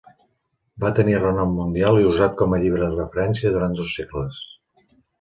Va tenir renom mundial i usat com llibre de referència durant dos segles.